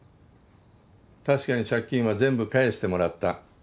確かに借金は全部返してもらった。